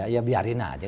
ya biarin aja